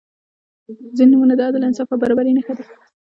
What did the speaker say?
• ځینې نومونه د عدل، انصاف او برابري نښه ده.